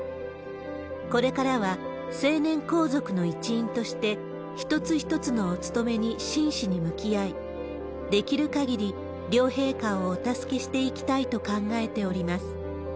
これからは成年皇族の一員として、一つ一つのお務めに真摯に向き合い、できる限り両陛下をお助けしていきたいと考えております。